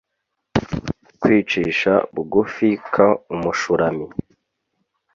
Kwicisha bugufi k umushulami